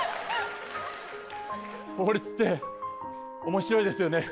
法律って面白いですよね。